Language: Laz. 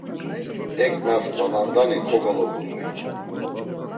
Eǩnas balandani kogolovudvi.